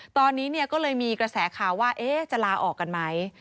ตอนนี้ก็เลยมีกระแสข่าวว่าจะลาออกกันไหม